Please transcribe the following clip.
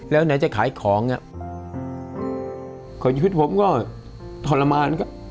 แล้วไหนจะขายของอ่ะข่อยพิษผมก็ทรมานครับ